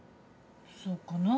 そうかな？